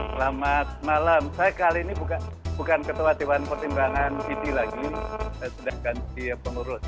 selamat malam saya kali ini bukan ketua dewan pertimbangan siti lagi sedangkan si pengurus